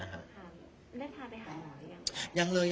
ได้ทานไปหาหน่อยหรือยัง